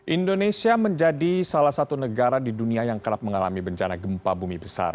indonesia menjadi salah satu negara di dunia yang kerap mengalami bencana gempa bumi besar